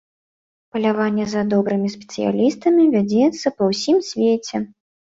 Паляванне за добрымі спецыялістамі вядзецца па ўсім свеце.